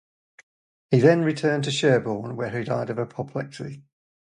He then returned to Sherborn where he died of apoplexy.